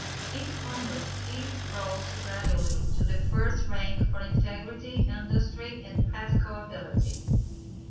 In congress he rose gradually to the first rank for integrity, industry and practical ability.